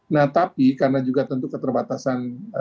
nah tapi karena juga tentu keterbatasan